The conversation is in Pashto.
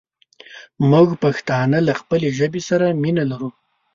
مونږ پښتانه له خپلې ژبې سره مينه لرو